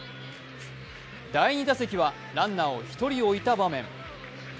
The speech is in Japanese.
第２打席はランナーを１人置いた場面。